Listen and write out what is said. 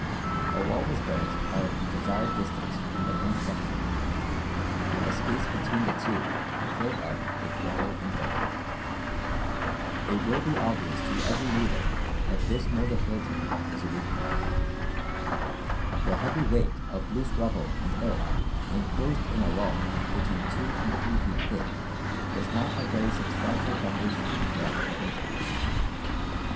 A wall was built out the desired distance from the main structure and the space between the two filled up with rubble and earth. It will be obvious to every reader that this mode of building was a weak one. The heavy weight of loose rubble and earth enclosed in a wall between two and three feet thick was not a very substantial foundation for a heavy building.